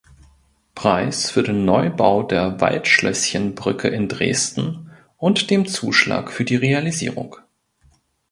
Preis für den Neubau der Waldschlößchenbrücke in Dresden und dem Zuschlag für die Realisierung.